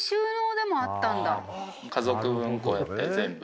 家族分こうやって全部。